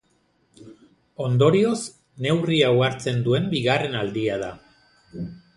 Ondorioz, neurri hau hartzen duen bigarren aldia da.